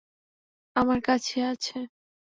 আমার কাছেই আছে।